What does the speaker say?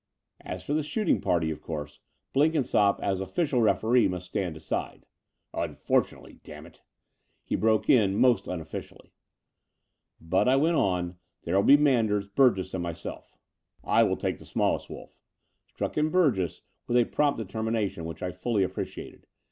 As for the shooting party, of course, Blenkin sqpp, as o£Scial referee, must stand aside " Unfortimately, damn it," he broke in most unofficially. "But," I went on, "there will be Manders, Burgess, and myself." "I will take the smallest wolf," struck in Burgess with a prompt determination, which I fully ap preciated.